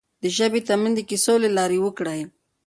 د ژبې تمرين د کيسو له لارې وکړئ.